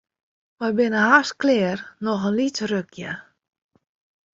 Wy binne hast klear, noch in lyts rukje.